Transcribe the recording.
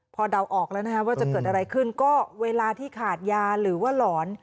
พอเดาออกแล้วนะฮะว่าจะเกิดอะไรขึ้นก็เวลาที่ขาดยาหรือว่าหลอน